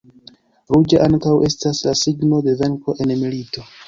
Ruĝa ankaŭ estas la signo de venko en milito.